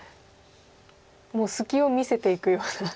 もう隙を見せていくような。